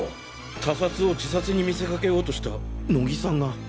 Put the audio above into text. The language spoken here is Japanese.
他殺を自殺に見せかけようとした乃木さんが。